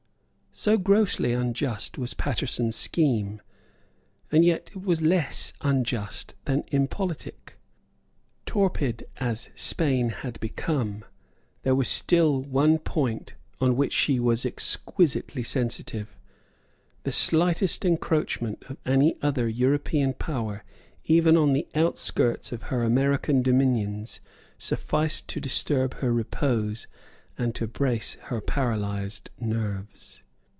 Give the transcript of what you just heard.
So grossly unjust was Paterson's scheme; and yet it was less unjust than impolitic. Torpid as Spain had become, there was still one point on which she was exquisitely sensitive. The slightest encroachment of any other European power even on the outskirts of her American dominions sufficed to disturb her repose and to brace her paralysed nerves.